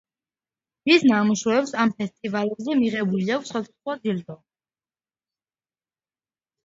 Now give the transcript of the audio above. მის ნამუშევრებს ამ ფესტივალებზე მიღებული აქვს სხვადასხვა ჯილდო.